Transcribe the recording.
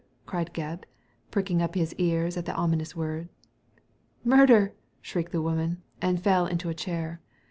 cried Gebb, pricking up his ears at the ominous word. * Murder!" screeched the woman, and fell into a chair.